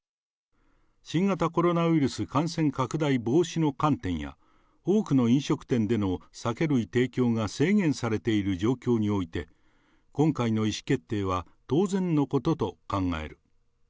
新型コロナウイルス感染拡大防止の観点や、多くの飲食店での酒類提供が制限されている状況において、今回の意思決定は当然のことと考える。